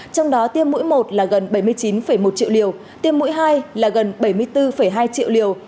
trong đó tiêm mũi một là gần bảy mươi chín một triệu liều tiêm mũi hai là gần bảy mươi bốn hai triệu liều